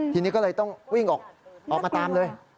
ทีนี้ก็เลยต้องวิ่งออกมาตามเลย